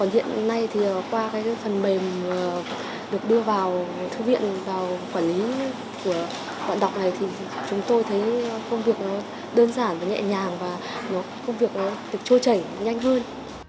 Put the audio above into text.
hiện nay thì qua cái phần mềm được đưa vào thư viện vào quản lý của bạn đọc này thì chúng tôi thấy công việc nó đơn giản và nhẹ nhàng và công việc nó được trôi chảy nhanh hơn